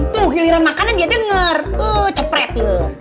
tuh giliran makanan dia denger ee cepret